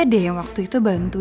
jangan mau nyentuh